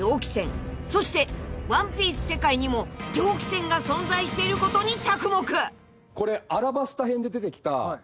［そして『ワンピース』世界にも蒸気船が存在していることに着目］